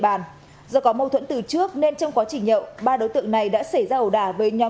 bàn do có mâu thuẫn từ trước nên trong quá trình nhậu ba đối tượng này đã xảy ra ẩu đả với nhóm